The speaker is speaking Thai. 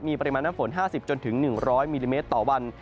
มีปริมาณน้ำฝน๕๐๑๐๐มิลลิเมตรต่อวัน